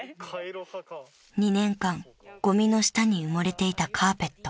［２年間ゴミの下に埋もれていたカーペット］